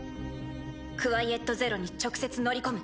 クワイエット・ゼロに直接乗り込む。